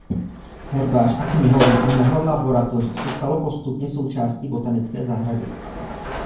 Herbář a knihovna a mnoho laboratoří se stalo postupně součástí botanické zahrady.